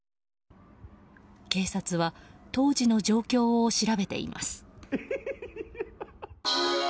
警察は当時の状況を調べています。